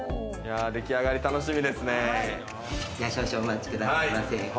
でき上がり楽しみですね。